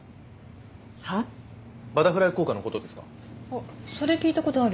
あっそれ聞いたことある。